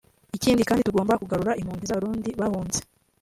Ikindi kandi tugomba kugarura impunzi z’abarundi bahunze